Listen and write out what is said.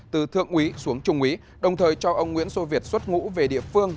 từ thượng úy xuống trung úy đồng thời cho ông nguyễn sô việt xuất ngũ về địa phương